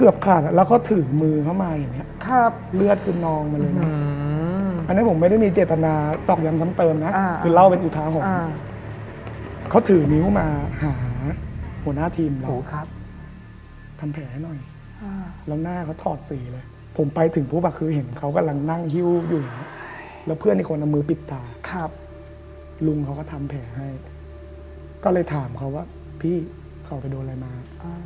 มือเข้ามาอย่างเงี้ยครับเลือดขึ้นนองมาเลยอ่าอันเนี้ยผมไม่ได้มีเจตนาตอกยำซ้ำเติมน่ะอ่าคือเล่าเป็นอุทาหงษ์อ่าเขาถือนิ้วมาหาหัวหน้าทีมเราครับทำแผลให้หน่อยอ่าแล้วหน้าเขาถอดสีเลยผมไปถึงผู้ประคือเห็นเขากำลังนั่งฮิ้วอยู่แล้วเพื่อนอีกคนเอามือปิดตาครับลุงเขาก็ทำแผลให้ก็เลยถามเขาว่า